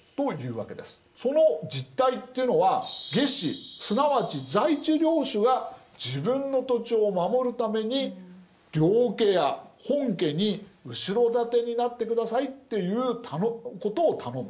その実態っていうのは下司すなわち在地領主が自分の土地を守るために領家や本家に後ろ盾になってくださいっていうことを頼む。